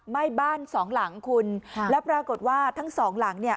ไหม้บ้านสองหลังคุณค่ะแล้วปรากฏว่าทั้งสองหลังเนี่ย